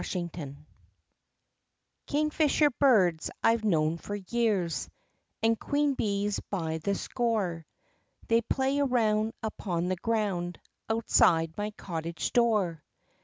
CHAPTER II Kingfisher birds I 've known for years And queen bees by the score ; T hey play around upon the ground Outside my cottage door.